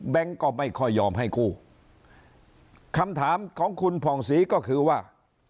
ก็ไม่ค่อยยอมให้กู้คำถามของคุณผ่องศรีก็คือว่า